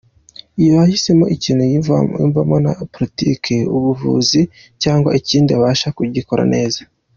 Iyo ahisemo ikintu yiyumvamo nka politike ,ubuvuzi cyangwa ikindi abasha kugikora neza.